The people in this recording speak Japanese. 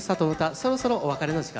そろそろお別れの時間です。